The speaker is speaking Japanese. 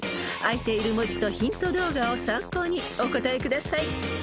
［あいている文字とヒント動画を参考にお答えください］